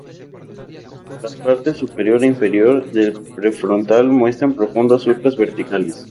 Las partes superior e inferior del prefrontal muestran profundos surcos verticales.